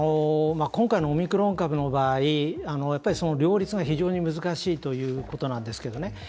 今回のオミクロン株の場合両立が非常に難しいということなんですけどね。